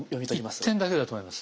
一点だけだと思います。